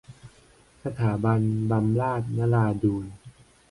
สถาบันบำราศนราดูร